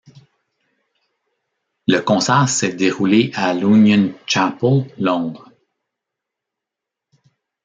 Le concert s'est déroulé à l'Union Chapel, Londres.